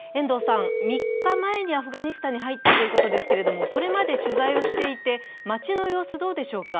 ３日前にアフガニスタンに入ったということですけれども、これまで取材していて街の様子、どうでしょうか。